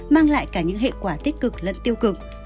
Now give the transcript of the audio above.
mang lại cả những hệ quả tích cực lẫn tiêu cực